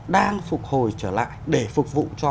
đang phục hồi trở lại để phục vụ cho